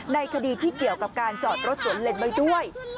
ในคดีที่เกี่ยวกับการจอดรถสวนเล่นไว้ด้วย